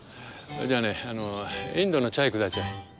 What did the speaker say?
じゃあねインドのチャイくだチャイ。